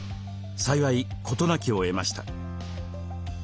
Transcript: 幸い事なきを得ました。